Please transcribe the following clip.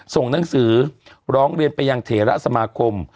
ส่งหนังสือร้องเรียนไปยังเถระสมาคม